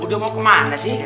udah mau ke mana sih